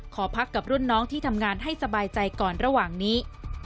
ขอพักกับรุ่นน้องที่ทำงานให้สบายใจก่อนระหว่างนี้